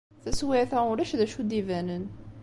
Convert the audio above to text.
Taswiɛt-a, ulac d acu i d-ibanen.